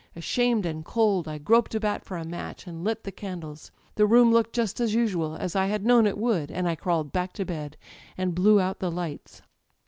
Ashamed and cold, I groped about for a match and lit the candles. The room looked just as usual â€" as I had known it would; and I crawled back to bed, and blew out the lights.